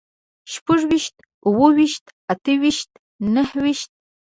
شپږ ويشت، اووه ويشت، اته ويشت، نهه ويشت